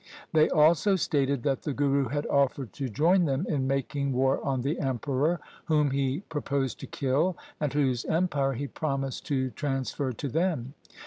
They also stated that the Guru had offered to join them in making war on the Emperor, whom he proposed to kill, and whose empire he promised to transfer to them.